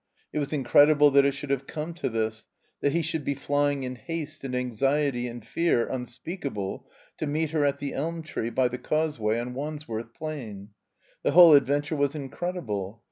It was incredible that it should have come to this, that he should be flying in haste and anxiety and fear un speakable to meet her at the elm tree by the Cause way on Wandsworth Plain. The whole adventure was incredible.